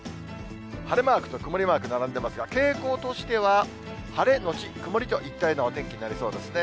晴れマークと曇りマーク並んでますが、傾向としては、晴れ後曇りといったようなお天気になりそうですね。